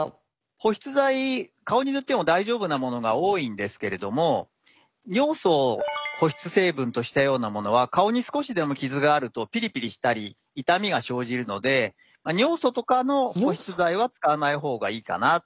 保湿剤顔に塗っても大丈夫なものが多いんですけれども尿素を保湿成分としたようなものは顔に少しでも傷があるとピリピリしたり痛みが生じるので尿素とかの保湿剤は使わない方がいいかなって思いますね。